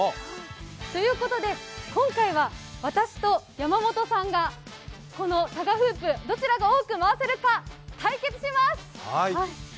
ということで今回は私と山本さんがこのタガフープ、どちらが多く回せるか、対決します！